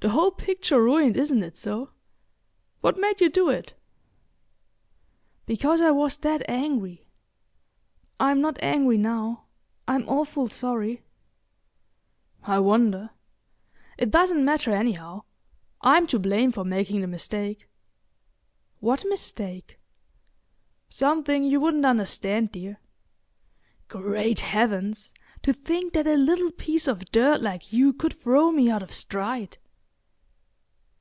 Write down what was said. The whole picture ruined, isn't it so? What made you do it?" "Because I was that angry. I'm not angry now—I'm awful sorry." "I wonder.—It doesn't matter, anyhow. I'm to blame for making the mistake." "What mistake?" "Something you wouldn't understand, dear. Great heavens! to think that a little piece of dirt like you could throw me out of stride!"